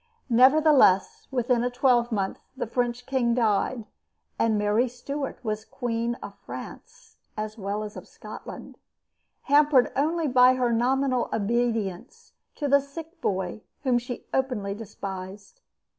Nevertheless, within a twelvemonth the French king died and Mary Stuart was Queen of France as well as of Scotland, hampered only by her nominal obedience to the sick boy whom she openly despised.